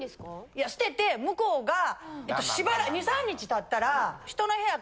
いや捨てて向こうが２３日たったら。